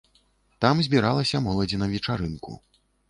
Там збіралася моладзь на вечарынку.